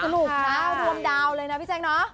มันก็รวมดาวน์เลยนะพี่แจ้งเนาะ